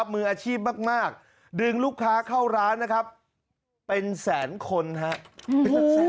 มืออาชีพมากดึงลูกค้าเข้าร้านนะครับเป็นแสนคนครับ